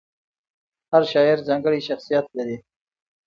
هر شاعر ځانګړی شخصیت لري.